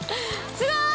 ◆すごい。